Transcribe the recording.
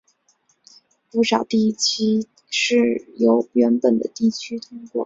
不少地级市是由原本的地区通过撤地设市或地市合并而得。